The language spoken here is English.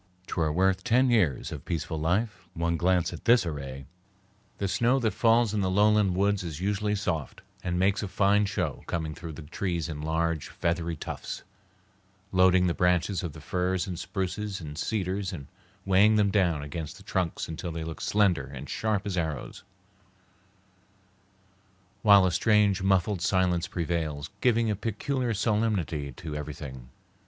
"'T were worth ten years of peaceful life, one glance at this array." The snow that falls in the lowland woods is usually soft, and makes a fine show coming through the trees in large, feathery tufts, loading the branches of the firs and spruces and cedars and weighing them down against the trunks until they look slender and sharp as arrows, while a strange, muffled silence prevails, giving a peculiar solemnity to everything.